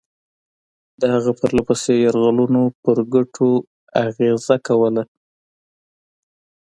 د هغه پرله پسې یرغلونو پر ګټو اغېزه کوله.